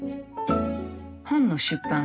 本の出版